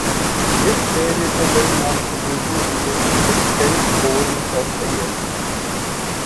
If there is a well-marked breeding season, it extends over much of the year.